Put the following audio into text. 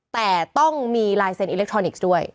แต่ต้องมีลายเซ็นอิเล็กทรอนิกส์ด้วย